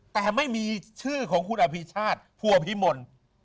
แต่ไม่มีชื่อของคุณอภิชาติภัวพิมล